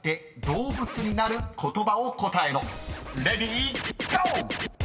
［レディーゴー！］